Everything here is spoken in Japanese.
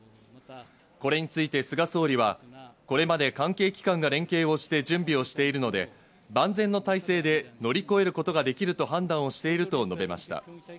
これについて菅総理は、これまで関係機関が連携をして準備をしているので万全の体制で乗り越えることができると判断をしていると述べました。